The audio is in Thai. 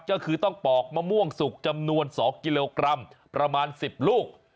ก็คือต้องปอกมะม่วงสุกจำนวน๒กิโลกรัมประมาณ๑๐ลูก